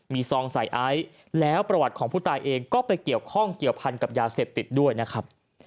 มีซองใส่ไอซ์แล้วประวัติของผู้ตายเองก็ไปเกี่ยวข้องเกี่ยวพันกับยาเสพติดด้วยนะครับ